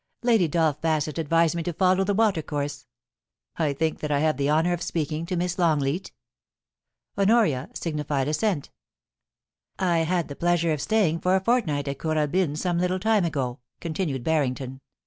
Lady Dolph Bassett advised me to follow the water course. I think that I have the honour of speaking to Miss Longleat ?' Honoria signified assent * I had the pleasure of staying for a fortnight at Kooralbyn some little time ago,' continued Barrington.